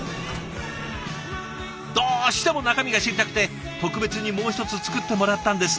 どうしても中身が知りたくて特別にもう一つ作ってもらったんです。